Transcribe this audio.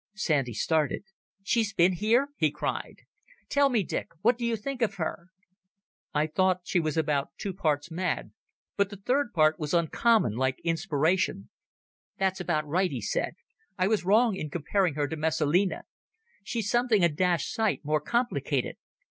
Sandy started. "She has been here!" he cried. "Tell me, Dick, what do you think of her?" "I thought she was about two parts mad, but the third part was uncommon like inspiration." "That's about right," he said. "I was wrong in comparing her to Messalina. She's something a dashed sight more complicated.